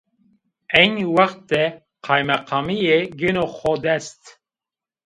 Eynî wext de qaymeqamîye gêno xo dest.